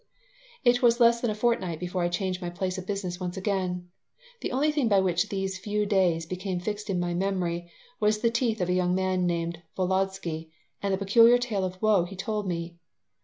It was less than a fortnight before I changed my place of business once again. The only thing by which these few days became fixed in my memory was the teeth of a young man named Volodsky and the peculiar tale of woe he told me.